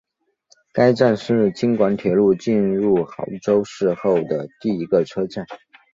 该站是京广铁路进入郴州市后的第一个车站。